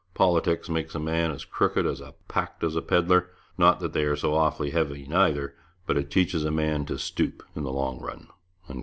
Politics makes a man as crooked as a pack does a pedlar, not that they are so awful heavy, neither, but it teaches a man to stoop in the long run.'